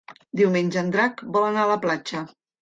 Diumenge en Drac vol anar a la platja.